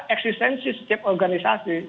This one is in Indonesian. eksistensi setiap organisasi